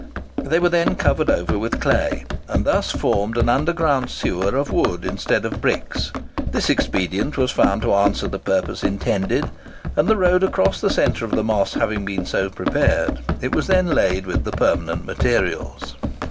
They were then covered over with clay, and thus formed an underground sewer of wood instead of bricks. This expedient was found to answer the purpose intended, and the road across the centre of the Moss having been so prepared, it was then laid with the permanent materials.